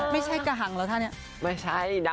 ไม่ใช่กระหังแล้วท่านเนี่ย